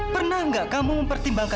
pernah gak kamu mempertimbangkan